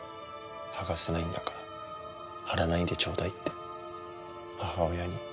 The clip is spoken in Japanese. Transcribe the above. はがせないんだから張らないでちょうだいって母親に。